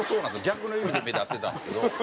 逆の意味で目立ってたんですけど。